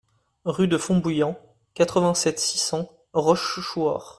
Rue de Fontbouillant, quatre-vingt-sept, six cents Rochechouart